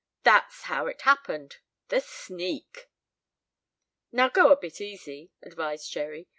That's how it happened! The sneak!" "Now go a bit easy," advised Jerry.